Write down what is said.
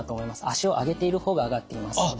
脚を上げている方が上がっていますので。